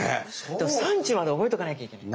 でも産地まで覚えとかなきゃいけない。